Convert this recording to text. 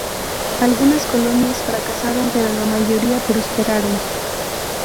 Algunas colonias fracasaron, pero la mayoría prosperaron.